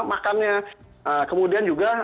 makannya kemudian juga